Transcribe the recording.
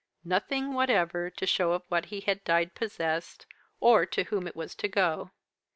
Nothing whatever to show of what he had died possessed, or to whom it was to go.'